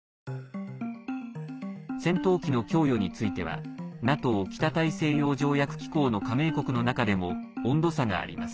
戦闘機の供与についてはＮＡＴＯ＝北大西洋条約機構の加盟国の中でも温度差があります。